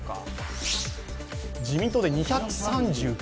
自民党で２３９。